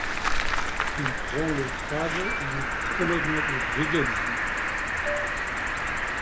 Il prend le grade de colonel brigadier.